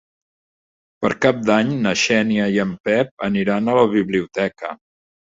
Per Cap d'Any na Xènia i en Pep aniran a la biblioteca.